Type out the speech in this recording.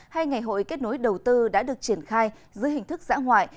hay ngày hội kết nối đầu tư đã được triển khai dưới hình thức giã ngoại